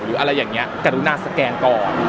หรืออะไรอย่างนี้กรุณาสแกนก่อน